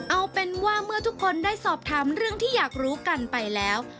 เอาเป็นว่าเมื่อทุกคนได้สอบถามเรื่องที่อยากรู้กันไปแล้ว